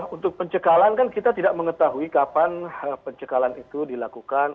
untuk pencekalan kan kita tidak mengetahui kapan pencekalan itu dilakukan